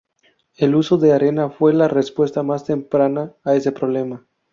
El uso de arena fue la respuesta más temprana a ese problema.